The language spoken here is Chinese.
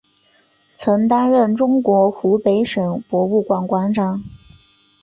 曾担任中国湖北省博物馆馆长。